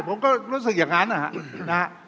ผมก็รู้สึกอย่างนั้นนะฮะ